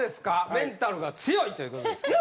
メンタルが強いということですけど。